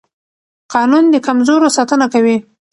قانون د کمزورو ساتنه کوي